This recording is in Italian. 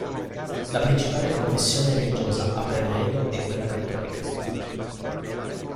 La principale confessione religiosa a Perledo è quella cattolica.